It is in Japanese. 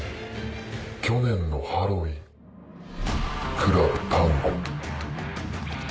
去年のハロウィーンクラブ・タンゴ。